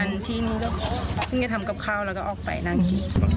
อันที่นี่ก็นี่ทำกับเขาแล้วก็ออกไปนั่งนี้